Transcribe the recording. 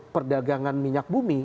perdagangan minyak bumi